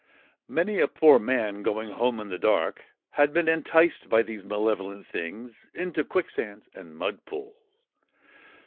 Many a poor man going home in the dark had been enticed by these malevolent things into quicksands and mud pools.